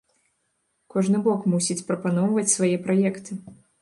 Кожны бок мусіць прапаноўваць свае праекты.